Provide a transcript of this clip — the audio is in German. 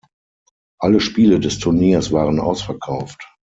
Alle Spiele des Turniers waren ausverkauft.